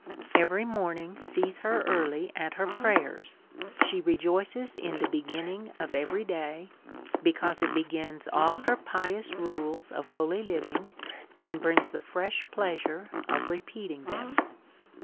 Every morning sees her early at her prayers. She rejoices in the beginning of every day, because it be gins all her pious rules of holy living, and brings the fresh pleasure of repeating them.